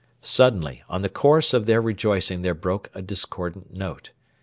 Suddenly, on the chorus of their rejoicing there broke a discordant note.